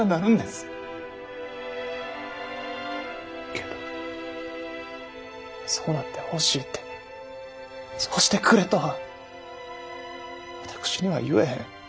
けどそうなってほしいてそうしてくれとは私には言えへん。